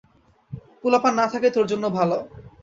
পুলাপান না-থাকাই তোর জন্য ভােলা।